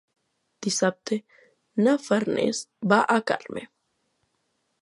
Dissabte na Farners va a Carme.